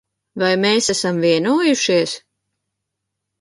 Vai mēs esam vienojušies?